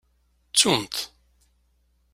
Ttun-t.